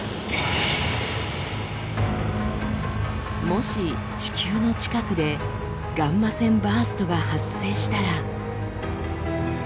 もし地球の近くでガンマ線バーストが発生したら。